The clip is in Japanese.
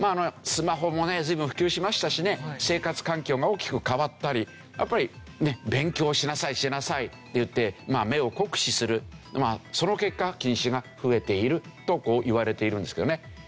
スマホもね随分普及しましたしね生活環境が大きく変わったりやっぱり勉強しなさいしなさいって言って目を酷使するその結果近視が増えているといわれているんですけどね。